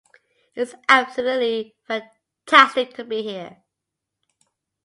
It's absolutely fantastic to be here.